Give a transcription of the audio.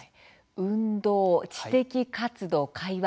運動知的活動会話